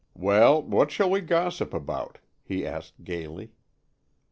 "Well, what shall we gossip about?" he asked gaily.